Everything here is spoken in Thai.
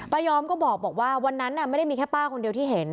ยอมก็บอกว่าวันนั้นไม่ได้มีแค่ป้าคนเดียวที่เห็น